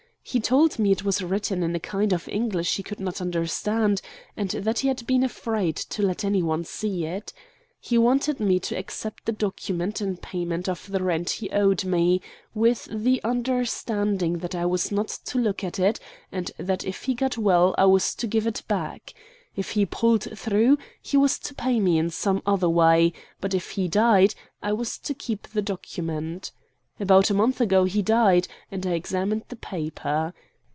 He told me it was written in a kind of English he could not understand, and that he had been afraid to let any one see it. He wanted me to accept the document in payment of the rent he owed me, with the understanding that I was not to look at it, and that if he got well I was to give it back. If he pulled through, he was to pay me in some other way; but if he died I was to keep the document. About a month ago he died, and I examined the paper.